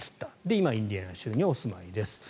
今、インディアナ州にお住まいです。